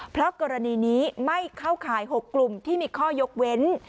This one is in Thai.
เพราะกรณีนี้ไม่เข้าข่าย๖กลุ่มที่มีข้อยกเว้น